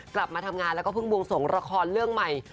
กลับมาทำงานแล้วก็เพิ่งบวงสงละครเรื่องใหม่